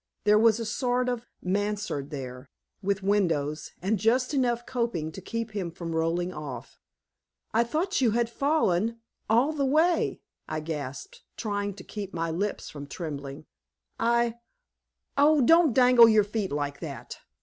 There was a sort of mansard there, with windows, and just enough coping to keep him from rolling off. "I thought you had fallen all the way," I gasped, trying to keep my lips from trembling. "I oh, don't dangle your feet like that!"